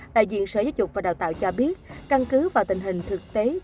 đại diện sở giáo dục và đào tạo cho biết căn cứ vào tình hình thực tế